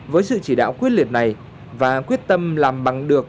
với sự chỉ đạo quyết liệt này và quyết tâm làm bằng được